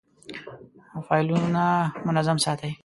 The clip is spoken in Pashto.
فایلونه منظم ساتئ؟